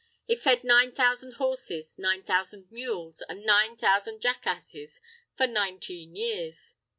It fed nine thousand horses, nine thousand mules, an' nine thousand jackasses for nineteen years.